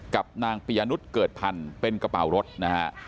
กับนางปียนุษย์เกิดพันธุ์เป็นกระเป๋ารถนะฮะ